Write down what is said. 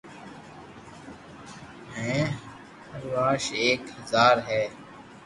مير ئوخاس مي ايڪ بزار هي